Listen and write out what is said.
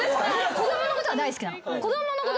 子供のことは大好きなの。